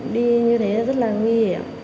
đi như thế rất là nguy hiểm